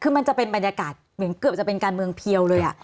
คือมันจะเป็นบรรยากาศเหมือนเกือบจะเป็นการเมืองเพียวเลย